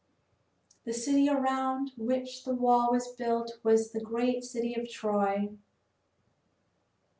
The city around which the wall was built was the great city of Troy.